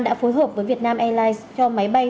đã phối hợp với vietnam airlines cho máy bay